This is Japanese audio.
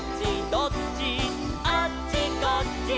「どっち？」